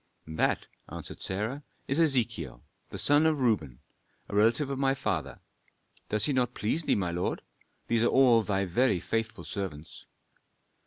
"That," answered Sarah, "is Ezechiel, the son of Reuben, a relative of my father. Does he not please thee, my lord? These are all thy very faithful servants."